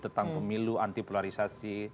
tentang pemilu anti polarisasi